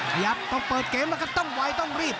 ขยับต้องเปิดเกมแล้วก็ต้องไวต้องรีบ